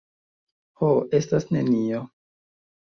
Ho, estas nenio.